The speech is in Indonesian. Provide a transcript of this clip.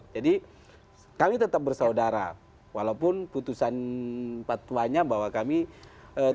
jadi kami tetap bersaudara walaupun putusan patwanya bahwa kami tidak dianjurkan